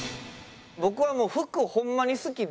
僕はもう服ホンマに好きで。